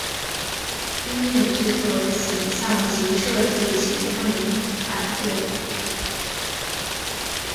音乐制作形像及设计行政团队